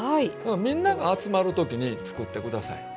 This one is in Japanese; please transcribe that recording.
みんなが集まる時に作って下さい。